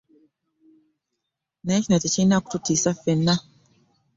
Naye kino tekirina kututiisa ffenna.